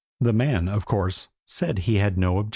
The man, of course, said he had no objection.